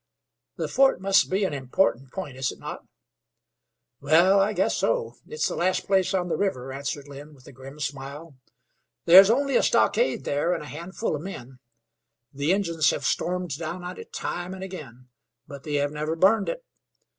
"The fort must be an important point, is it not?" "Wal, I guess so. It's the last place on the river," answered Lynn, with a grim smile. "There's only a stockade there, an' a handful of men. The Injuns hev swarmed down on it time and ag'in, but they hev never burned it.